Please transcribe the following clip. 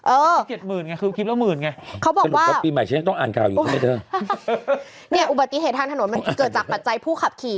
โอ้โฮ๗วัน๗คลิปน่ะคลิปละ๑๐๐๐๐ไงเขาบอกว่าอุบัติเหตุทางถนนมันเกิดจากปัจจัยผู้ขับขี่